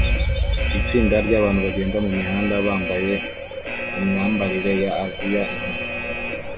Itsinda ryabantu bagenda mumihanda bambaye imyambarire ya Aziya inyuma